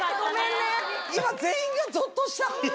今全員がゾッとした。